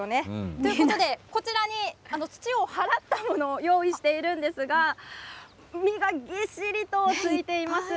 ということで、こちらに土を払ったものを用意しているんですが、実がぎっしりとついています。